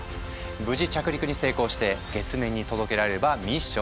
無事着陸に成功して月面に届けられればミッション成功。